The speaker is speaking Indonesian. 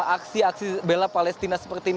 aksi aksi bela palestina seperti ini